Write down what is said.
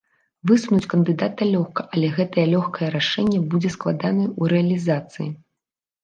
Высунуць кандыдата лёгка, але гэтае лёгкае рашэнне будзе складанае ў рэалізацыі.